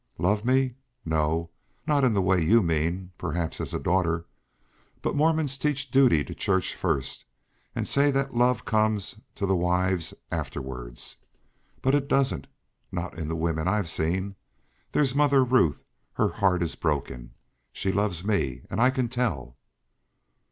"Love me? No. Not in the way you mean perhaps as a daughter. But Mormons teach duty to church first, and say such love comes to the wives afterward. But it doesn't not in the women I've seen. There's Mother Ruth her heart is broken. She loves me, and I can tell."